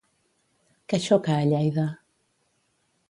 Què xoca a Lleida?